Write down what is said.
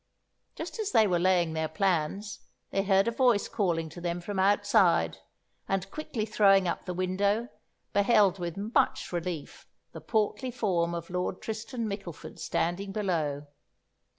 Just as they were laying their plans, they heard a voice calling to them from outside, and quickly throwing up the window, beheld with much relief the portly form of Lord Tristan Mickleford standing below.